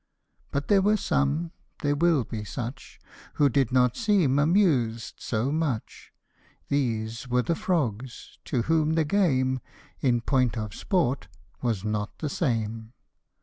But there were some (there will be such) Who did not seem amused so much ; These were the frogs, to whom the game, In point of sport, was not the same.